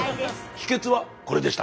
秘けつはこれでした。